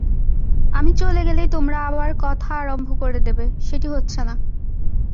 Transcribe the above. আমি চলে গেলেই তোমরা আবার কথা আরম্ভ করে দেবে, সেটি হচ্ছে না।